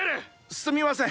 すみません